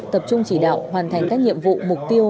tập trung chỉ đạo hoàn thành các nhiệm vụ mục tiêu